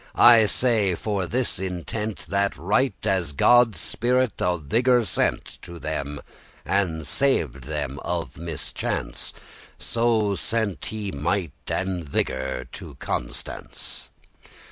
I say for this intent That right as God spirit of vigour sent To them, and saved them out of mischance, So sent he might and vigour to Constance.